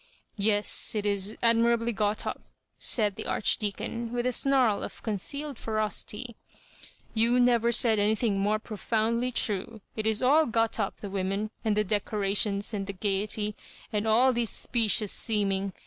" Yes, it is admirably got up," said the Arch deacon, with a snarl of concealed ferocity. You never said anything more profoundly true. It is all got up, the women,. and the decorations, and t'le gaiety, and all this specious seeming.